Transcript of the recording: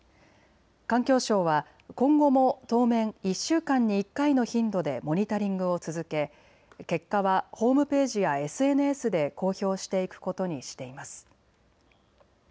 環境省は今後も当面１週間に１回の頻度でモニタリングを続け結果はホームページやＳＮＳで公表していくことにしています。